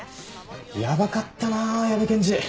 やばかったなあ矢部検事。